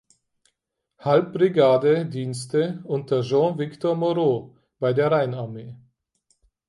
Halbbrigade Dienste unter Jean Victor Moreau bei der Rheinarmee.